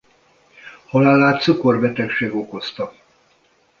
Halálát cukorbetegség okozta.